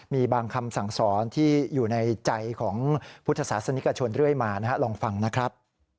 มีบางคำสั่งสอนที่อยู่ในใจของพุทธศาสนิกชนเรื่อยมาลองฟังนะครับ